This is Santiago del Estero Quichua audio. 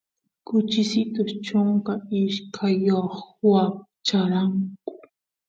kuchisitus chunka ishkayoq wacharanku